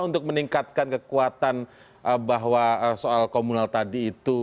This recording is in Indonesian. untuk meningkatkan kekuatan bahwa soal komunal tadi itu